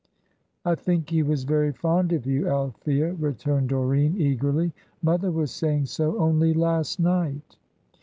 "I think he was very fond of you, Althea," returned Doreen, eagerly. "Mother was saying so only last night."